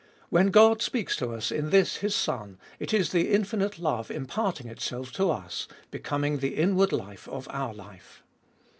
When God speaks to us in this His Son, it is the infinite love imparting itself to us, becoming the inward life of our life.